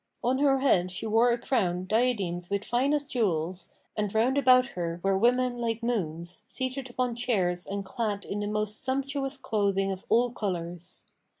On her head she wore a crown diademed with finest jewels, and round about her were women like moons, seated upon chairs and clad in the most sumptuous clothing of all colours.